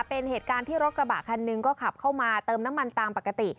เป็นเหตุการณ์ที่รถกระบะคันหนึ่งก็ขับเข้ามาเติมน้ำมันตามปกติ